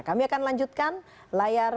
kami akan lanjutkan layar